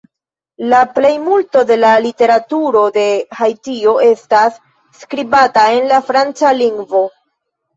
La plejmulto de la literaturo de Haitio estas skribata en la franca lingvo.